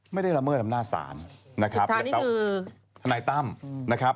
ไม่ได้ระเมิดลำหน้าศาลนะครับจิตฐานี้คือทนายตั้มนะครับ